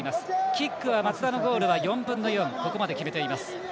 キックは松田のゴール、４分の４ここまで決めています。